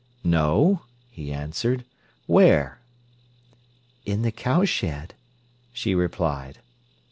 "No," he answered. "Where?" "In the cowshed," she replied.